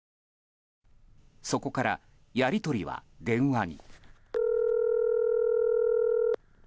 そこから、やり取りは電話に。